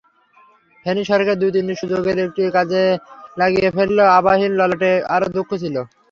Feni soccer দু-তিনটি সুযোগের একটি কাজে লাগিয়ে ফেললে আবাহনীর ললাটে আরও দুঃখ ছিল।